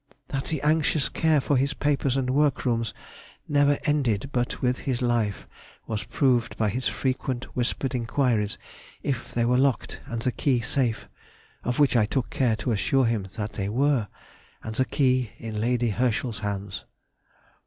That the anxious care for his papers and workrooms never ended but with his life was proved by his frequent whispered inquiries if they were locked and the key safe, of which I took care to assure him that they were, and the key in Lady Herschel's hands.